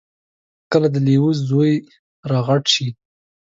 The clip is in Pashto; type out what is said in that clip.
کله چې د لیوه زوی را غټ شي.